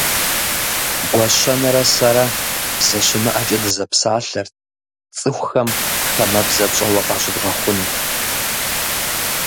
Гуащэнэрэ сэрэ, бзэ щымыӏэкӏэ дызэпсалъэрт, цӏыхухэм хамэбзэ тщӏэуэ къащыдгъэхъуну.